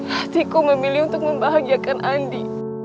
hatiku memilih untuk membahagiakan andi